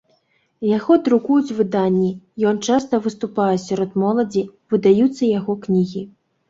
Яго друкуюць выданні, ён часта выступае сярод моладзі, выдаюцца яго кнігі.